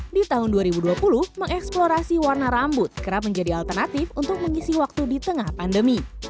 di tahun dua ribu dua puluh mengeksplorasi warna rambut kerap menjadi alternatif untuk mengisi waktu di tengah pandemi